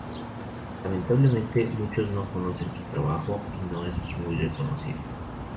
Lamentablemente muchos no conocen su trabajo y no es muy reconocido.